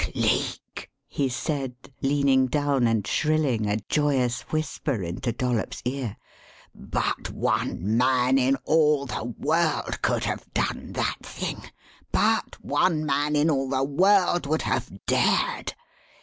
"Cleek!" he said, leaning down and shrilling a joyous whisper into Dollops' ear. "But one man in all the world could have done that thing but one man in all the world would have dared.